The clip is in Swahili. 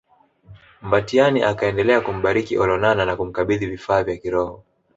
Mbatiany akaendelea kumbariki Olonana na kumkabidhi vifaa vya kiroho